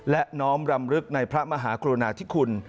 และน้อมรำลึกในพระมหากรุณาธิคุณ